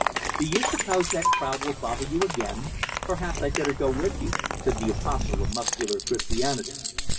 "Do you suppose that crowd will bother you again? Perhaps I'd better go with you," said the apostle of muscular Christianity.